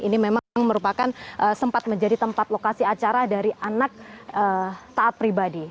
ini memang merupakan sempat menjadi tempat lokasi acara dari anak taat pribadi